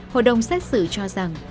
hội đồng xét xử cho rằng